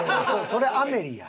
それ『アメリ』や。